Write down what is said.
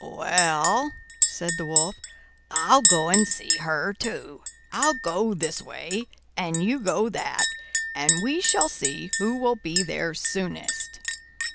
"Well," said the Wolf, "I'll go and see her, too. I'll go this way and you go that, and we shall see who will be there soonest."